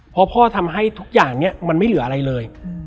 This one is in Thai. เพราะพ่อทำให้ทุกอย่างเนี่ยมันไม่เหลืออะไรเลย